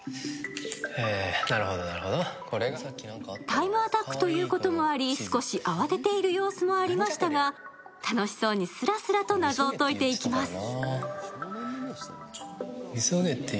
タイムアタックということもあり、少し慌てている様子もありましたが、楽しそうにすらすらと謎を解いていきます。